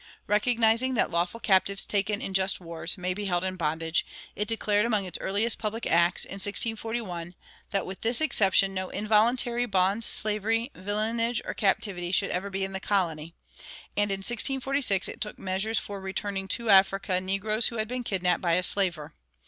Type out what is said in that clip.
Recognizing that "lawful captives taken in just wars" may be held in bondage, it declared among its earliest public acts, in 1641, that, with this exception, no involuntary bond slavery, villeinage, or captivity should ever be in the colony; and in 1646 it took measures for returning to Africa negroes who had been kidnapped by a slaver.